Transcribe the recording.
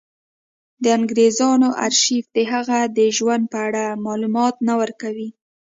د انګرېزانو ارشیف د هغه د ژوند په اړه معلومات نه ورکوي.